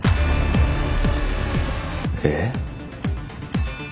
えっ？